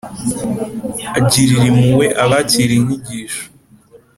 Agirira impuhwe abakira inyigisho,